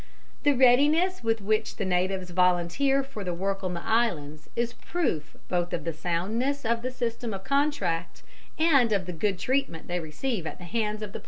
The readiness with which the natives volunteer for the work on the islands is proof both of the soundness of the system of contract and of the good treatment they receive at the hands of the planters.